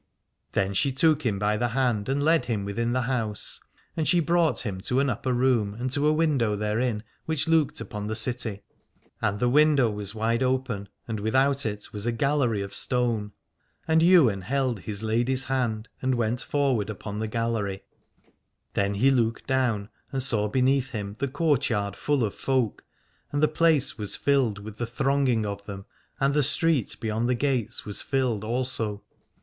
Then she took him by the hand and led him within the house, and she brought him to an upper room and to a window therein which looked upon the city. And the window was wide open, and without it was a gallery of stone ; and Ywain held his lady's hand and went forward upon the gallery. Then he looked down, and saw beneath him the courtyard full of folk, and the place was filled with the thronging of them, and the street beyond the gates was filled also.